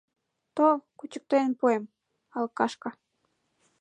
Тол, кучыктен пуэм, алкашка.